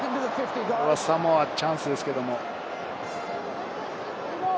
サモア、チャンスですけれど。